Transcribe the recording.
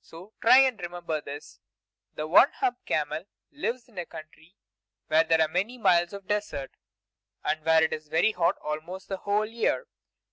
So try and remember this: The One Hump camel lives in a country where there are many miles of desert, and where it is very hot almost the whole year.